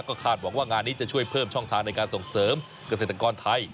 ก็คาดหวังว่างานนี้จะช่วยเพิ่มช่องทางในการส่งเสริมเกษตรกรไทย